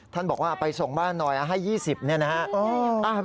บอกว่าไปส่งบ้านหน่อยให้๒๐เนี่ยนะครับ